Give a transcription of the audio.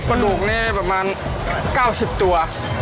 ปลาดุกนี่ประมาณ๙๐ตัว